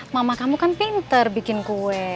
mama kamu kan pinter bikin kue